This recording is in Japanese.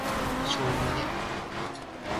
しょーもね